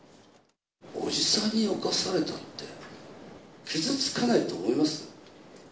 おじさんに犯されたって、傷つかないと思います？